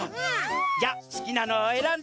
じゃあすきなのをえらんで。